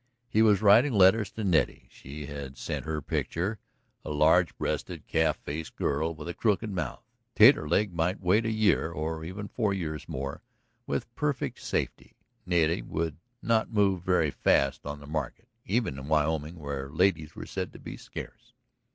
He was writing letters to Nettie; she had sent her picture. A large breasted, calf faced girl with a crooked mouth. Taterleg might wait a year, or even four years more, with perfect safety. Nettie would not move very fast on the market, even in Wyoming, where ladies were said to be scarce.